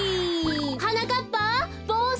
はなかっぱぼうし！